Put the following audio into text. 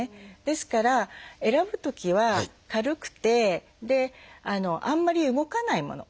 ですから選ぶときは軽くてあんまり動かないもの。